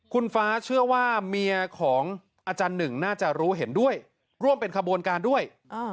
คุณฟ้าเชื่อว่าเมียของอาจารย์หนึ่งน่าจะรู้เห็นด้วยร่วมเป็นขบวนการด้วย